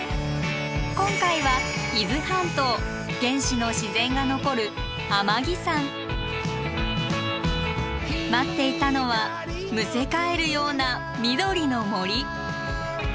今回は伊豆半島原始の自然が残る待っていたのはむせ返るような緑の森。